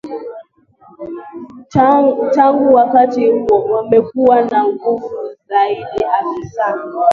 Tangu wakati huo wamekuwa na nguvu zaidi afisa